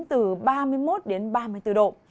từ ba mươi một đến ba mươi bốn độ